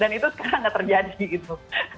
dan itu sekarang gak terjadi itu